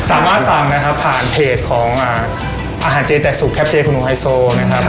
สามารถสั่งนะครับผ่านเพจของอาหารเจแตกสุกแปปเจคุณหนุ่มไฮโซนะครับ